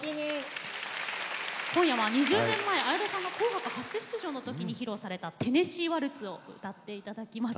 今夜は２０年前綾戸さんが「紅白」初出場の時に披露された「テネシーワルツ」を歌って頂きます。